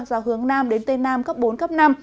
do hướng nam đến tây nam cấp bốn cấp năm